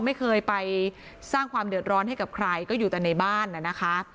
ไม่เคยไปสร้างความเดือดร้อนให้กับใครก็อยู่แต่ในบ้านน่ะนะคะ